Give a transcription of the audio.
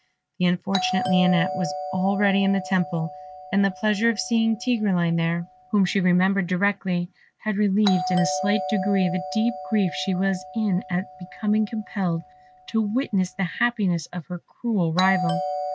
The unfortunate Lionette was already in the temple, and the pleasure of seeing Tigreline there, whom she remembered directly, had relieved in a slight degree the deep grief she was in at being compelled to witness the happiness of her cruel rival.